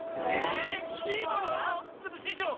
ちょっとししょう！